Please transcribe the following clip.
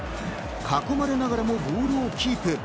囲まれながらもボールをキープ。